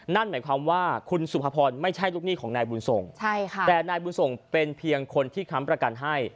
นั่นหมายความว่าคุณสุภพรไม่ใช่ลูกหนี้ของนายบุญส่งใช่ค่ะแต่นายบุญส่งเป็นเพียงคนที่ค้ำประกันให้